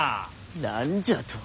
何じゃと？